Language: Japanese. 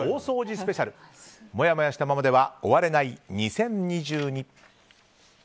スペシャルもやもやしたままでは終われない２０２２。